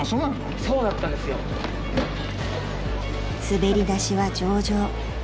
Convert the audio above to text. ［滑り出しは上々］